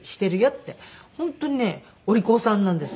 本当にねお利口さんなんです